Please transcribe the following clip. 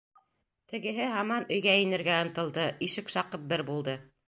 Тегеһе һаман өйгә инергә ынтылды, ишек шаҡып бер булды.